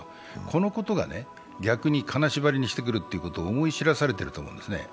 このことが逆に金縛りにしてくるということを思い知らされているんですね。